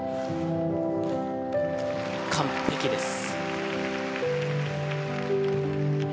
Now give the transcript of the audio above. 完璧です。